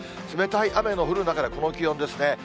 冷たい雨の降る中でこの気温ですね。